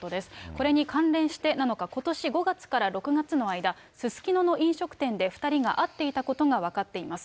これに関連してなのか、ことし５月から６月の間、すすきのの飲食店で２人が会っていたことが分かっています。